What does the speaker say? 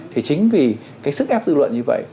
thì chính vì cái sức ép dư luận như vậy